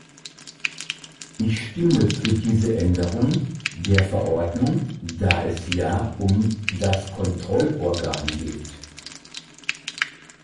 Ich stimme für diese Änderung der Verordnung, da es ja um das Kontrollorgan geht.